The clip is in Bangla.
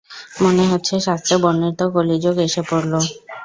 মনে হচ্ছে শাস্ত্রে বর্ণিত কলিযুগ এসে পড়লো!